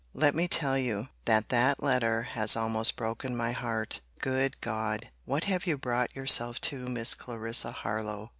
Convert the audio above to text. Let me tell you, that that letter has almost broken my heart. Good God!—What have you brought yourself to, Miss Clarissa Harlowe?